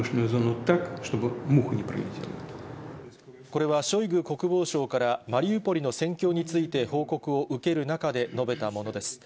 これはショイグ国防相から、マリウポリの戦況について報告を受ける中で述べたものです。